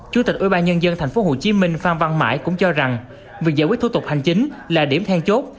chủ tịch ubnd tp hcm phan văn mãi cũng cho rằng việc giải quyết thủ tục hành chính là điểm then chốt